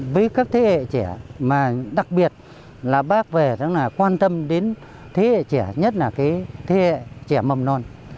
với các thế hệ trẻ mà đặc biệt là bác về rất là quan tâm đến thế hệ trẻ nhất là thế hệ trẻ mầm non